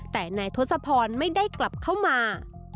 แต่นายทศพรไม่ได้กลับเข้ามา